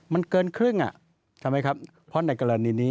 มันเกินครึ่งอ่ะทำไมครับเพราะในกรณีนี้